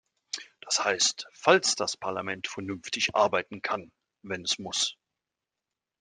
Das heißt, falls das Parlament vernünftig arbeiten kann, wenn es muss.